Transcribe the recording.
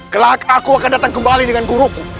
kelak aku akan datang kembali dengan guruku